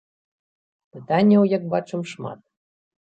Пытанняў, як бачым, шмат.